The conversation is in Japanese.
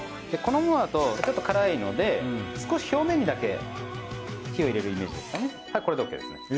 このままだとちょっと辛いので少し表面にだけ火を入れるイメージですかね。